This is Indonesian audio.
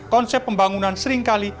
konsep pembangunan seringkali